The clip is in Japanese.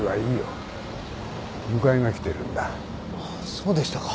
そうでしたか。